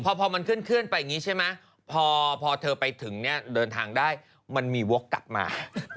พอมันขึ้นขึ้นไปนี่ใช่ไหมพอเพราะเธอไปถึงเนื้อเดินทางได้มันมีวอกกลับมา